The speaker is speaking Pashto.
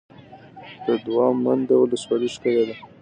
د دوه منده ولسوالۍ ښکلې ده